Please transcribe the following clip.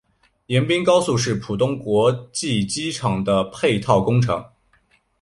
迎宾高速是浦东国际机场的配套工程。